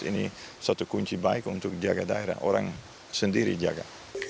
ini satu kunci baik untuk jaga daerah orang sendiri jaga